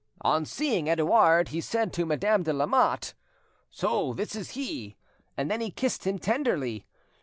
On seeing Edouard, he said to Madame de Lamotte— "'So this is he?' and he then kissed him tenderly.